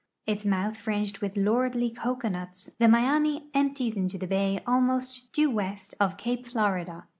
Its mouth fringed with lordly cocoanuts, the Miami empties into the bay almost due west of cape Florida.